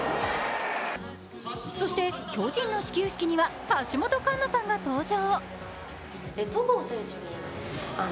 そして巨人の始球式には橋本環奈さんが登場。